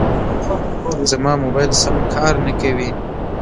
زما موبایل سم کار نه کوي.